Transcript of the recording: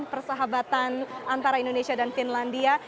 persahabatan antara indonesia dan finlandia